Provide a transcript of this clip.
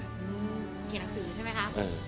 เขียนหนังสือใช่ไหมคะ